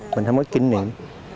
mình không có kinh nghiệm